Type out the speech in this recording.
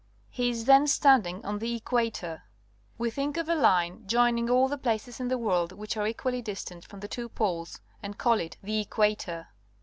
He is then standing on the Equator. We think of a line joining all the places in the world which are equally distant from the two poles and call it the equator.